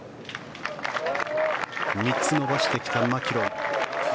３つ伸ばしてきたマキロイ。